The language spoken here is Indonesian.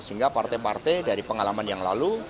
sehingga parte parte dari pengalaman yang lalu